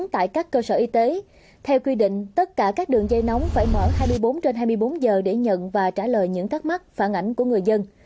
theo quy định tất cả các đường dây nóng phải mở hai mươi bốn trên hai mươi bốn giờ để nhận và trả lời những thắc mắc phản ảnh của người dân